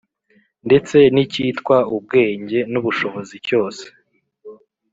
ndetse n’icyitwa ubwenge n’ubushobozi cyose.